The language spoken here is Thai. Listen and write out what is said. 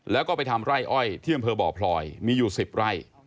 แล้วก็ไปทำไร่อ้อยที่อำเภอบ่อพลอยมีอยู่๑๐ไร่